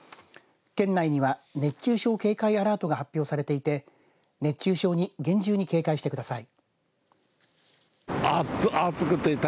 県内には熱中症警戒アラートが発表されていて熱中症に厳重に警戒してください。